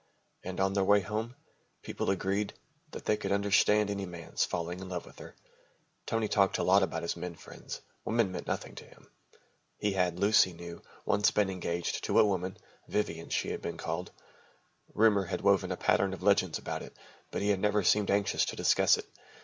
And on their way home, people agreed that they could understand any man's falling in love with her. Tony talked a lot about his men friends. Women meant nothing to him. He had, Lucy knew, once been engaged to a woman Vivian, she had been called rumour had woven a pattern of legends about it, but he had never seemed anxious to discuss it.